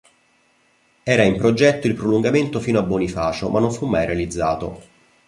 Era in progetto il prolungamento fino a Bonifacio, ma non fu mai realizzato.